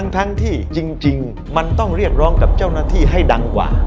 ทั้งที่จริงมันต้องเรียกร้องกับเจ้าหน้าที่ให้ดังกว่า